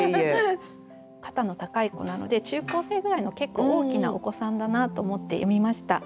「肩の高い子」なので中高生ぐらいの結構大きなお子さんだなと思って読みました。